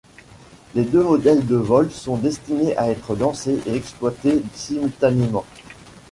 Les deux modèles de vol sont destinés à être lancés et exploités simultanément.